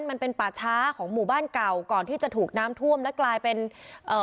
มันเป็นป่าช้าของหมู่บ้านเก่าก่อนที่จะถูกน้ำท่วมและกลายเป็นเอ่อ